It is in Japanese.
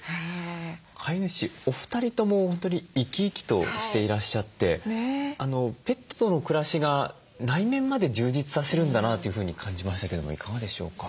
飼い主お二人とも本当に生き生きとしていらっしゃってペットとの暮らしが内面まで充実させるんだなというふうに感じましたけれどもいかがでしょうか？